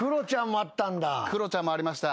クロちゃんもありました。